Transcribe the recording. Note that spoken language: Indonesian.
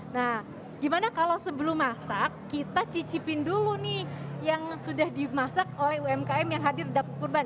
nah gimana kalau sebelum masak kita cicipin dulu nih yang sudah dimasak oleh umkm yang hadir dapur kurban